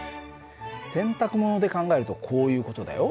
洗濯物で考えるとこういう事だよ。